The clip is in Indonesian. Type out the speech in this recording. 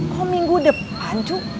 kok minggu depan cu